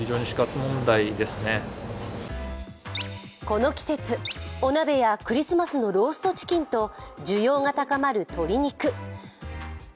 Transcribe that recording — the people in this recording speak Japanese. この季節、お鍋やクリスマスのローストチキンと需要が高まる鶏肉。